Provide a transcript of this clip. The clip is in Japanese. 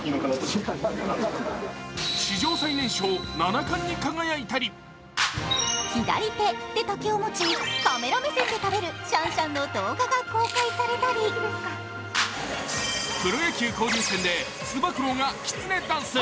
史上最年少七冠に輝いたり左手で竹を持ち、カメラ目線で食べるシャンシャンの動画が公開されたりプロ野球交流戦で、つば九郎がきつねダンス。